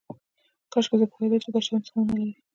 کاشکې زه پوهیدای چې دا شیان څه معنی لري